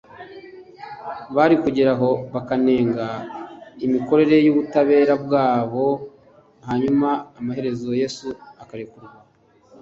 bari kugeraho bakanenga imikorere y’ubutabera bwabo, hanyuma amaherezo yesu akarekurwa,